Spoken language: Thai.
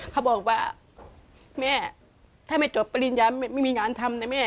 เขาบอกว่าแม่ถ้าไม่จบปริญญาไม่มีงานทำนะแม่